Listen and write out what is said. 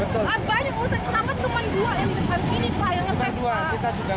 tolong ya pak ini dua acak banget mobil pak